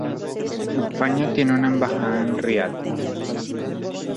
España tiene una embajada en Riad.